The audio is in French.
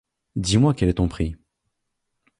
Dis-moi quel est ton prix.